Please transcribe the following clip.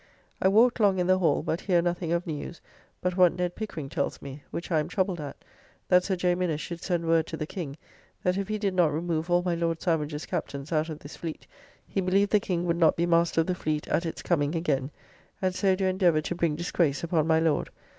I walked long in the Hall, but hear nothing of news, but what Ned Pickering tells me, which I am troubled at, that Sir J. Minnes should send word to the King, that if he did not remove all my Lord Sandwich's captains out of this fleet, he believed the King would not be master of the fleet at its coming again: and so do endeavour to bring disgrace upon my Lord.